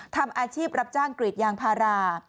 ทำอาชีพรับจ้างกรีดยางพารา